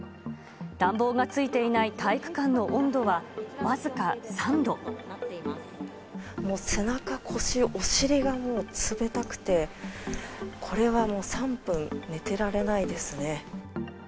暖房がついていない体育館の温度もう背中、腰、お尻が冷たくて、これはもう３分寝てられないですね。